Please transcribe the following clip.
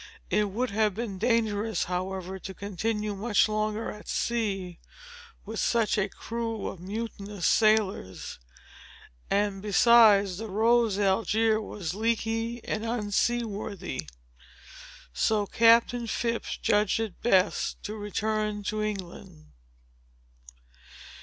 It would have been dangerous, however, to continue much longer at sea with such a crew of mutinous sailors; and, besides, the Rose Algier was leaky and unseaworthy. So Captain Phips judged it best to return to England.